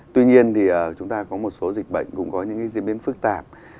tuy nhiên thì chúng ta có một số dịch bệnh cũng có những diễn biến phức tạp